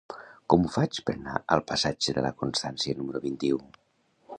Com ho faig per anar al passatge de la Constància número vint-i-u?